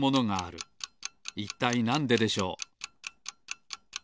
いったいなんででしょう？